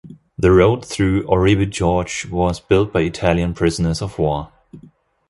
The road through Oribi Gorge was built by Italian prisoners of war.